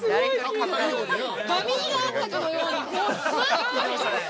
バミがあったかのように。